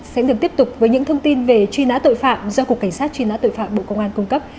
sẽ được tiếp tục với những thông tin về truy nã tội phạm do cục cảnh sát truy nã tội phạm bộ công an cung cấp